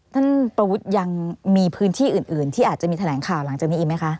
ท่านประวุฒิยังมีพื้นที่อื่นที่อาจจะมีแถลงข่าวหลังจากนี้อีกไหมคะ